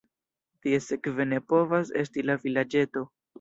Tie sekve ne povas esti la vilaĝeto.